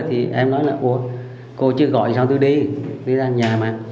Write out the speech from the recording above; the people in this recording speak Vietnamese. thì em nói là cô chưa gọi thì sao tôi đi đi ra nhà mà